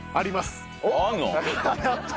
あるの？